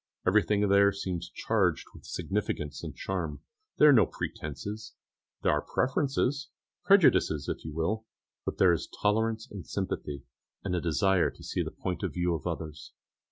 Everything there seems charged with significance and charm; there are no pretences there are preferences, prejudices if you will; but there is tolerance and sympathy, and a desire to see the point of view of others.